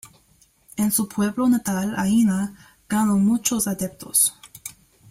En su pueblo natal, Haina, ganó muchos adeptos.